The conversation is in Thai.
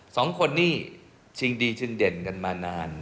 สองคนนี่ชิงดีชิงเด่นกันมานาน